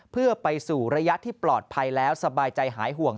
เพื่อไปสู่ระยะที่ปลอดภัยแล้วสบายใจหายห่วง